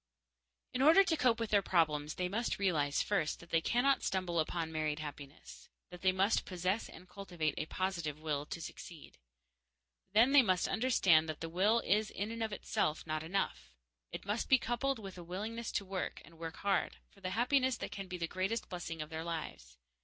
In order to cope with their problems they must realize, first, that they cannot stumble upon married happiness; that they must possess and cultivate a positive will to succeed. Then they must understand that the will is in itself not enough; it must be coupled with a willingness to work, and work hard, for the happiness that can be the greatest blessing of their lives.